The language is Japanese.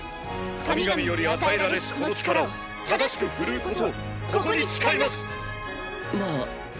神々より与えられしこの力を正しく振るうことをここに誓います！